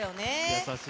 優しい。